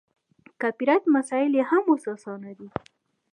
کاپي رایټ مسایل یې هم اوس اسانه دي.